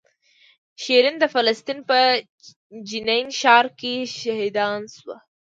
شیرین د فلسطین په جنین ښار کې شهیدان شوه.